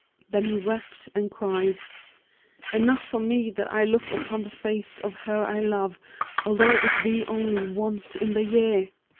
Then he wept and cried, 'Enough for me that I look upon the face of her I love, although it be only once in the year!'